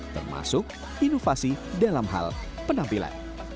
termasuk inovasi dalam hal penampilan